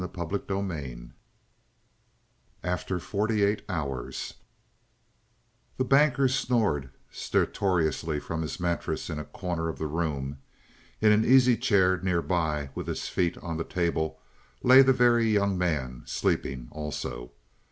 CHAPTER III AFTER FORTY EIGHT HOURS The Banker snored stertorously from his mattress in a corner of the room. In an easy chair near by, with his feet on the table, lay the Very Young Man, sleeping also.